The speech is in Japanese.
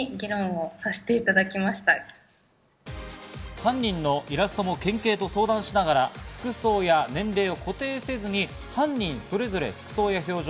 犯人のイラストも県警と相談しながら服装や年齢を固定せずに犯人それぞれ服装や表情、